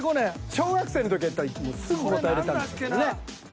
小学生の時やったらすぐ答えれたんですけどね。